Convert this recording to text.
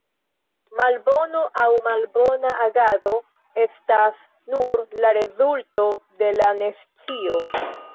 Malbono aŭ malbona agado estas nur la rezulto de la nescio.